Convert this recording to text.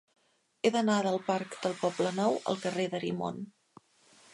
He d'anar del parc del Poblenou al carrer d'Arimon.